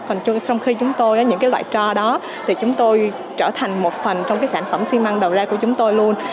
còn trong khi chúng tôi những cái loại trò đó thì chúng tôi trở thành một phần trong cái sản phẩm xi măng đầu ra của chúng tôi luôn